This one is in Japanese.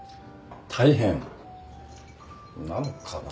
大変？なのかな。